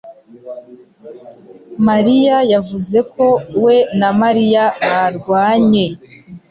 mariya yavuze ko we na Mariya barwanye